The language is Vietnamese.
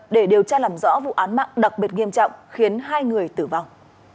để điều tra làm rõ vụ án mạng đặc biệt nghiêm trọng khiến hai người tử vong